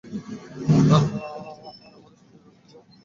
তারা আর আমাদের শান্তিতে থাকতে দেবে না।